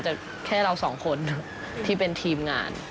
แค่เราสองคนที่เป็นทีมงาน